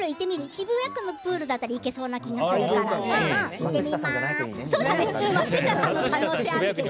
渋谷区の区民プールだったら行けそうな気がするから捜してみるね。